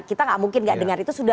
kita tidak mungkin tidak dengar